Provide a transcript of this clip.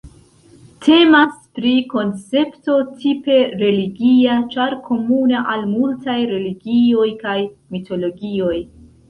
Temas pri koncepto tipe religia ĉar komuna al multaj religioj kaj mitologioj.